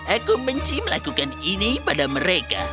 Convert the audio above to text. aku benci melakukan ini pada mereka